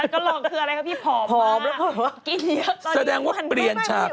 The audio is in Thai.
กำลังคืออะไรคะพี่ผอมมาก